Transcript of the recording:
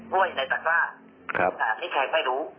ที่แขกไม่รู้